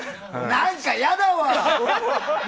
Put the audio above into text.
何か嫌だわ！